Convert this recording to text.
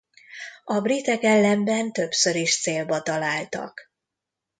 A britek ellenben többször is célba találtak.